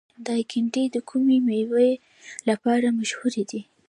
دایکنډي د کومې میوې لپاره مشهور دی؟